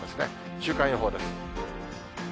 週間予報です。